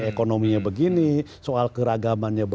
ekonominya begini soal keragamannya